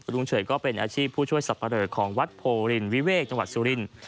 ลุงเฉื่อยก็เป็นอาชีพผู้ช่วยสรรพเริกของวัดโพลินวิเวกจังหวัดสุริน